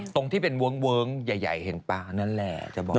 ตรงที่เป็นเวิ้งใหญ่เห็นปลานั่นแหละจะบอก